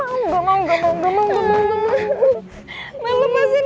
apa jadi hangarmu permainan ex tone